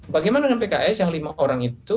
bagaimana dengan pks yang lima orang itu